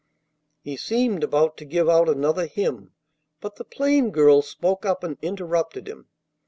He seemed about to give out another hymn, but the plain girl spoke up and interrupted him.